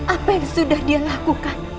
apa yang sudah dia lakukan